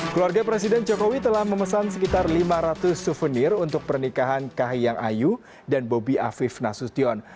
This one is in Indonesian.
keluarga presiden jokowi telah memesan sekitar lima ratus souvenir untuk pernikahan kahiyang ayu dan bobi afif nasution